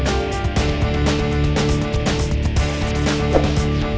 kita ke base camp aja kali ya